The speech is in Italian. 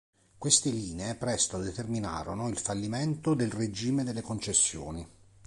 Queste linee presto determinarono il fallimento del regime delle concessioni.